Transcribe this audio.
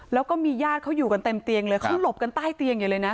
แล้วก็มีญาติเขาอยู่กันเต็มเตียงเลยเขาหลบกันใต้เตียงใหญ่เลยนะ